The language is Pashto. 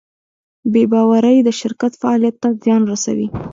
بېباورۍ د شرکت فعالیت ته زیان رسوي.